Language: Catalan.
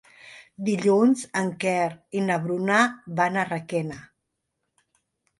Dilluns en Quer i na Bruna van a Requena.